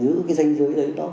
thì giữ cái danh dưới đấy đó